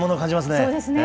そうですね。